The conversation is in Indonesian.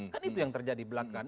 kan itu yang terjadi belakang